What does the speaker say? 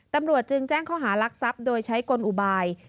ตำรวจจึงแจ้งข้อหารักทรัพย์โดยใช้กลอุบาย